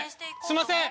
すいません